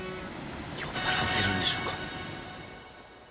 酔っ払っているんでしょうか。